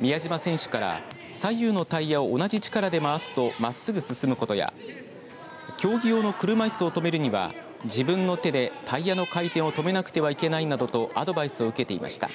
宮島選手から左右のタイヤを同じ力で回すとまっすぐ進むことや競技用の車いすを止めるには自分の手でタイヤの回転を止めなくてはいけないなどとアドバイスを受けていました。